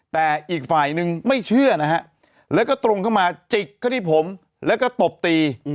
แต่อีกฝ่ายนึงไม่เชื่อนะฮะแล้วก็ตรงเข้ามาจิกเข้าที่ผมแล้วก็ตบตี